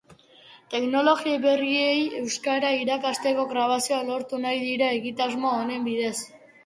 Teknologia berriei euskara irakasteko grabazioak lortu nahi dira egitasmo honen bidez.